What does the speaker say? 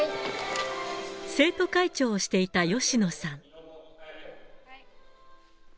生徒会長をしていた吉野さん。